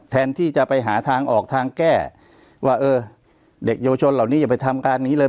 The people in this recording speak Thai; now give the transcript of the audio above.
แทนที่จะไปหาทางออกทางแก้ว่าเออเด็กเยาวชนเหล่านี้อย่าไปทำการอย่างนี้เลย